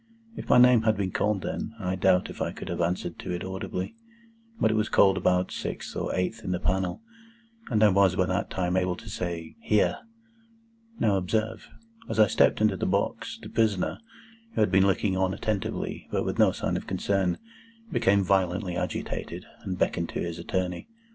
If my name had been called then, I doubt if I could have answered to it audibly. But it was called about sixth or eighth in the panel, and I was by that time able to say, "Here!" Now, observe. As I stepped into the box, the prisoner, who had been looking on attentively, but with no sign of concern, became violently agitated, and beckoned to his attorney.